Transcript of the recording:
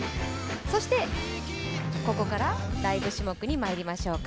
そしてここからライブ種目にまいりましょうか。